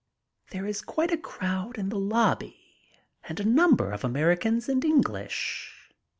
There is quite a crowd in the lobby and a number of Americans and English.